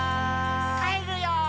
「帰るよー」